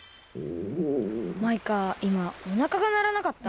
マイカいまおなかがならなかった？